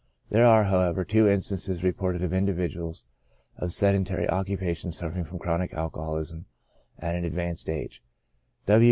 There are, however, two instances reported of individuals of sedentary occupations suffering from chronic alcoholism at an advanced age : W.